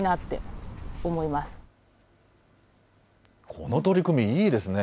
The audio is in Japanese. この取り組み、いいですね。